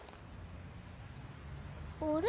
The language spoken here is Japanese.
あれ？